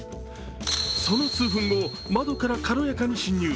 その数分後、窓から軽やかに侵入。